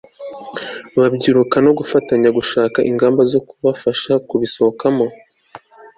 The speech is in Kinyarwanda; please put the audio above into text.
babyiruka no gufatanya gushaka ingamba zo kubafasha kubisohokamo